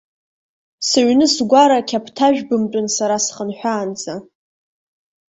Сыҩны-сгәара қьаԥҭажәбымтәын сара схынҳәаанӡа.